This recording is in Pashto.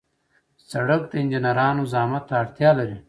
سړک د انجنیرانو زحمت ته اړتیا لري.